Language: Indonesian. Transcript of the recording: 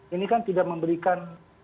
ini kan tidak memberikan